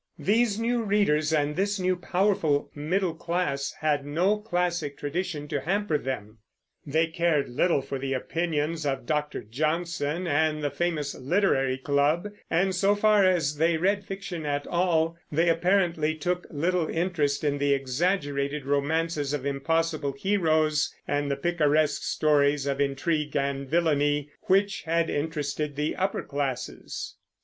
These new readers and this new, powerful middle class had no classic tradition to hamper them. They cared little for the opinions of Dr. Johnson and the famous Literary Club; and, so far as they read fiction at all, they apparently took little interest in the exaggerated romances, of impossible heroes and the picaresque stories of intrigue and villainy which had interested the upper classes.